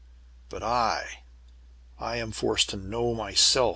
"But I! I am forced to know myself.